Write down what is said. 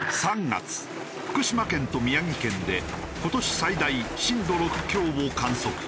３月福島県と宮城県で今年最大震度６強を観測。